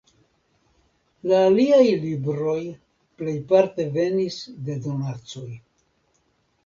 La aliaj libroj plejparte venis de donacoj.